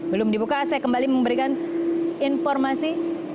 belum dibuka saya kembali memberikan informasi